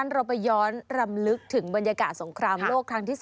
เราไปย้อนรำลึกถึงบรรยากาศสงครามโลกครั้งที่๓